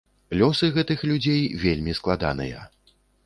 Лёсы гэтых людзей вельмі складаныя.